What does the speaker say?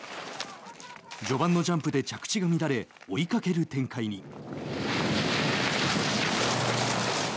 序盤のジャンプで着地が乱れ追いかける展開に。